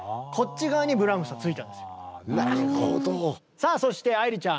さあそして愛理ちゃん